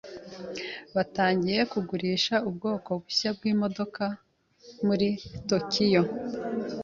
Batangiye kugurisha ubwoko bushya bwimodoka muri Tokiyo.